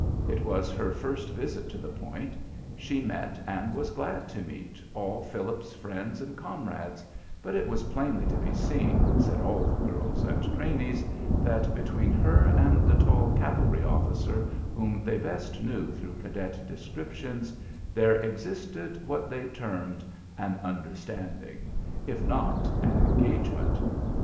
It was her first visit to the Point. She met, and was glad to meet, all Philip's friends and comrades; but it was plainly to be seen, said all the girls at Craney's, that between her and the tall cavalry officer whom they best knew through cadet descriptions, there existed what they termed an "understanding," if not an engagement.